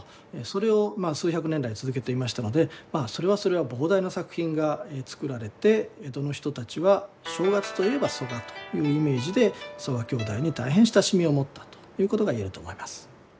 それを数百年来続けていましたのでそれはそれは膨大な作品が作られて江戸の人たちは「正月といえば曽我」というイメージで曽我兄弟に大変親しみを持ったということが言えると思います。